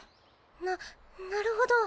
ななるほど。